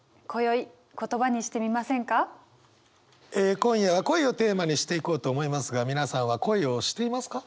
え今夜は「恋」をテーマにしていこうと思いますが皆さんは恋をしていますか？